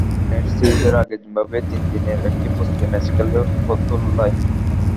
Test সিরিজের আগে Zimbabwe তিন দিনের একটি প্রস্তুতি ম্যাচ খেলবে ফতুল্লায়।